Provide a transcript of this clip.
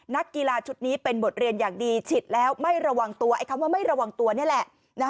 นักกีฬาชุดนี้เป็นบทเรียนอย่างดีฉีดแล้วไม่ระวังตัวไอ้คำว่าไม่ระวังตัวนี่แหละ